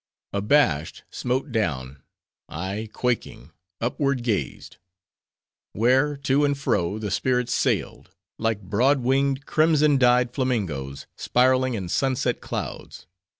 "Abashed, smote down, I, quaking, upward gazed; where, to and fro, the spirits sailed, like broad winged crimson dyed flamingos, spiraling in sunset clouds.